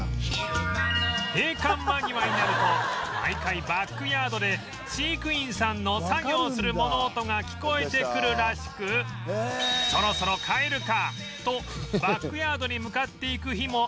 閉館間際になると毎回バックヤードで飼育員さんの作業する物音が聞こえてくるらしく「そろそろ帰るか」とバックヤードに向かっていく日もあるのだとか